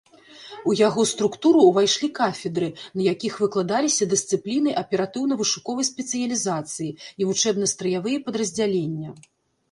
У яго структуру ўвайшлі кафедры, на якіх выкладаліся дысцыпліны аператыўна-вышуковай спецыялізацыі, і вучэбна-страявыя падраздзялення.